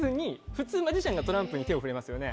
普通マジシャンがトランプに手を触れますよね。